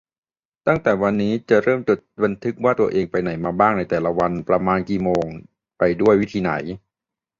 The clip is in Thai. ตั้งแต่วันนี้ จะเริ่มจดบันทึกว่าตัวเองไปไหนมาบ้างในแต่ละวัน ประมาณกี่โมง ไปด้วยวิธีไหน